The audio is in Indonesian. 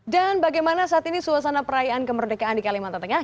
dan bagaimana saat ini suasana perayaan kemerdekaan di kalimantan tengah